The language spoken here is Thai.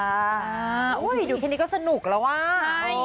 ดูแค่นี้ก็สนุกแล้วว้าว